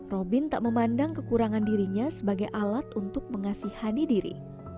robin tak memandang kekurangan dirinya sebagai alat untuk mengasihani diri